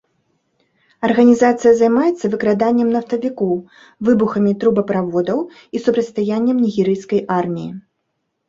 Арганізацыя займаецца выкраданнем нафтавікоў, выбухамі трубаправодаў і супрацьстаяннем нігерыйскай арміі.